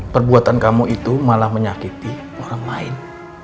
perbuatan kamu itu malah menyakiti orang lain